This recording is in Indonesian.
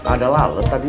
ada lalat tadi